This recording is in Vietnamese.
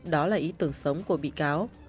đó là ý tưởng sống của bị cáo